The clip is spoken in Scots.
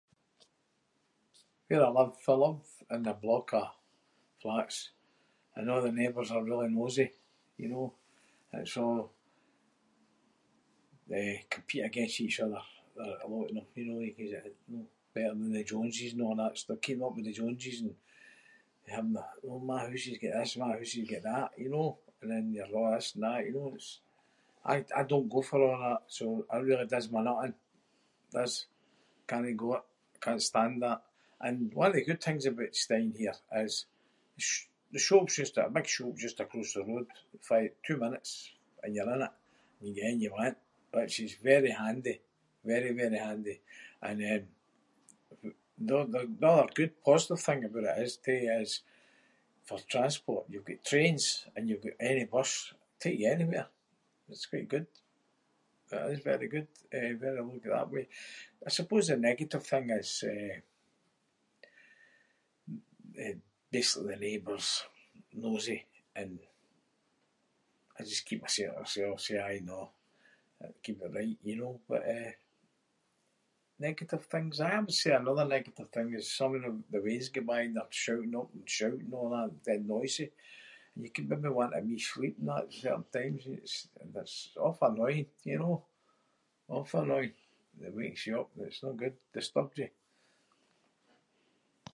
Where I live? I live in a block of flats and a’ the neighbours are really nosy, you know? It’s a’, eh, compete against each other with a lot of them. You know, who’s [inc] eh, better than the Jones’ and a’ that stuff- keeping up with the Jones and having a, know “my house has got this, my house has got that”, you know? And then you’re a’ this and that, you know? And I don’t go for a’ that so it really does my nut in- does. Cannae go it. Can’t stand that. And one of the good things aboot staying here is sh- the shops is just- got a big shop just across the road. Fi- two minutes and you’re in it and you can get anything you want which is very handy- very, very handy. And, um, the oth- the other good positive thing aboot it is too- is for transport. You’ve got trains and you’ve got any bus take you anywhere. It’s quite good. It is very good, eh [inc] that way. I suppose a negative thing is, eh- eh basically the neighbours' nosy and I just keep myself to myself, say aye and naw- keep it right, you know? But eh, negative things? Aye, I would say another negative thing is some of the- the weans go by and they’re shouting up and shouting and a’ that and dead noisy and you can maybe want a wee sleep and that at certain times [inc]. It’s awfu’ annoying, you know? Awfu’ annoying and it wakes you up. It’s no good. Disturbs you.